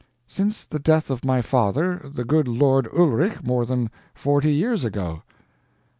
"Since the death of my father, the good lord Ulrich more than forty years ago."